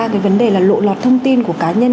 cái vấn đề là lộ lọt thông tin của cá nhân